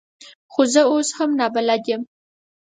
خو زه اوس هم نابلده یم .